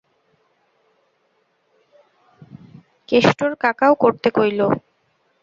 কেষ্টর কাকাও করতে কইল।